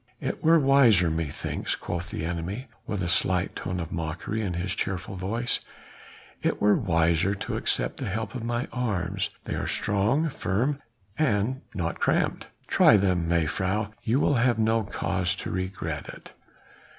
"It were wiser methinks," quoth the enemy with a slight tone of mockery in his cheerful voice, "it were wiser to accept the help of my arms. They are strong, firm and not cramped. Try them, mejuffrouw, you will have no cause to regret it."